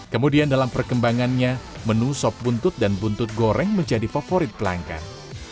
kemudian dalam perkembangannya menu sop buntut dan buntut goreng menjadi favorit pelanggan